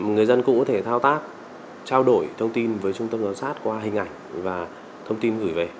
người dân cũng có thể thao tác trao đổi thông tin với trung tâm giám sát qua hình ảnh và thông tin gửi về